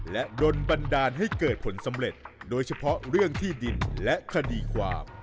และโดนบันดาลให้เกิดผลสำเร็จโดยเฉพาะเรื่องที่ดินและคดีความ